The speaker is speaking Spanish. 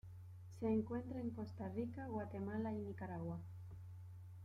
Se encuentra en Costa Rica Guatemala y Nicaragua.